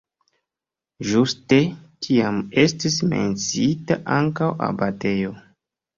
Ĝuste tiam estis menciita ankaŭ abatejo.